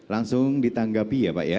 langsung ditanggapi ya pak ya